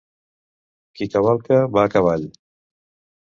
Qui cavalca va a cavall.